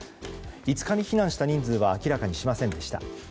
５日に避難した人数は明らかにしませんでした。